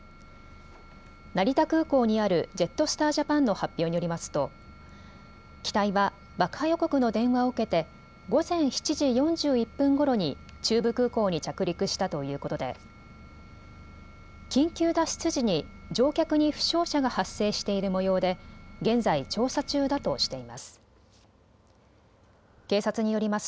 成田空港にあるジェットスター・ジャパンの発表によりますと機体は爆破予告の電話を受けて午前７時４１分ごろに中部空港に着陸したということで緊急脱出時に乗客に負傷者が発生しているもようで現在、調査中だとしています。